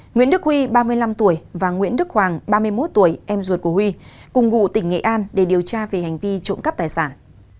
nguyễn đức huy ba mươi năm tuổi và nguyễn đức hoàng ba mươi một tuổi em ruột của huy cùng ngụ tỉnh nghệ an để điều tra về hành vi trộm cắp tài sản